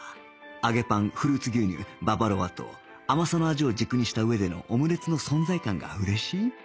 揚げパンフルーツ牛乳ババロアと甘さを味の軸にした上でのオムレツの存在感が嬉しい